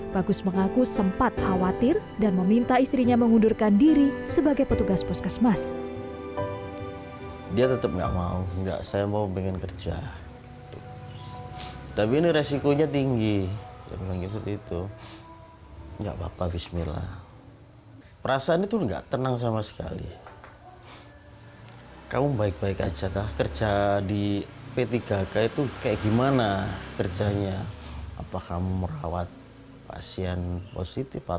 bagus mengaku sempat khawatir dan meminta istrinya mengundurkan diri sebagai petugas puskesmas